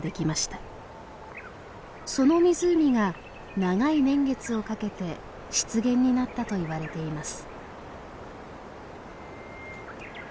その湖が長い年月をかけて湿原になったといわれています。